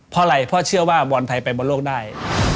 เพราะอะไรเพราะเชื่อว่าบอลไทยไปบอลโลกได้